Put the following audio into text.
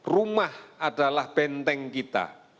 rumah adalah benteng kita